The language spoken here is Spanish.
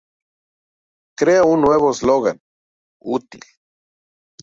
Crea un nuevo eslogan: "“Útil.